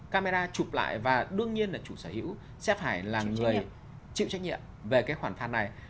camera chụp lại và đương nhiên là chủ sở hữu sẽ phải là người chịu trách nhiệm về cái khoản phạt này